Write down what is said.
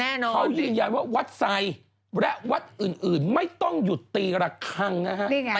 เขายืนยันว่าวัดไซค์และวัดอื่นไม่ต้องหยุดตีระคังนะฮะ